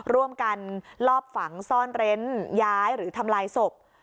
ร่วมกันลอบฝังซ่อนเร้นย้ายหรือทำลายศพ